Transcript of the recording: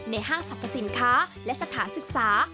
ห้างสรรพสินค้าและสถานศึกษา